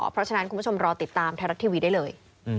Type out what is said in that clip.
เพราะฉะนั้นคุณผู้ชมรอติดตามไทยรัฐทีวีได้เลย